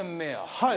はい。